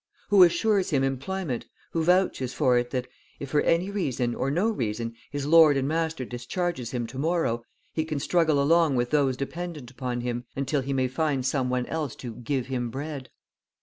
Who assures him employment, who vouches for it that, if for any reason or no reason his lord and master discharges him to morrow, he can struggle along with those dependent upon him, until he may find some one else "to give him bread?"